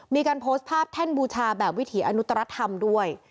มีการโพสต์ภาพแท่นบูชาแบบวิถีอนุตรธรรมด้วย